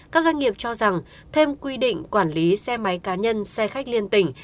các doanh nghiệp cho rằng thêm quy định quản lý xe máy cá nhân xe khách liên tỉnh